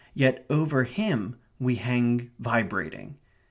Yet over him we hang vibrating.